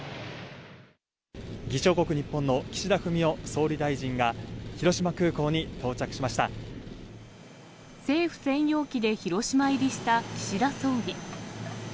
議長国日本の岸田文雄総理大政府専用機で広島入りした岸田総理。